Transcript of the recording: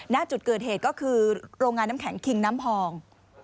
ณจุดเกิดเหตุก็คือโรงงานน้ำแข็งคิงน้ำพอง